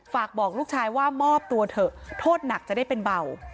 ฝากบอกลูกชายว่ามอบตัวเถอะโทษหนักจะได้เป็นเบา